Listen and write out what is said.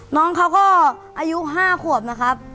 น้องเขาก็อายุ๕ขวบนะครับ